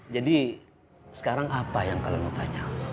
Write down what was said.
jadi sekarang apa yang kalian tanya